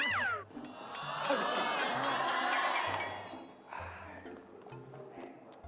โอ้โฮ